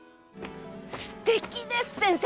すてきです先生。